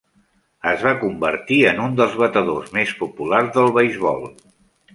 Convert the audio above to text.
Es va convertir en un dels batedor més populars del beisbol.